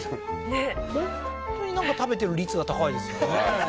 本当になんか食べてる率が高いですよね